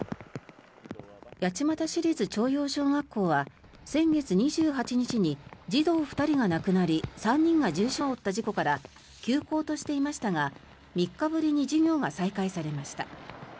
八街市立朝陽小学校は先月２８日に児童２人が亡くなり３人が重傷を負った事故から休校としていましたが３日ぶりに授業が再開されました。